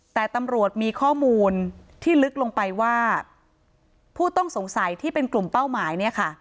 แต่ตำรวจมีข้อมูลที่ลึกลงไปว่าผู้ต้องสงสัยที่เป็นกลุ่มเป้าหมายเนี่ยค่ะ